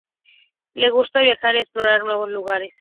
Le gusta viajar y explorar nuevos lugares.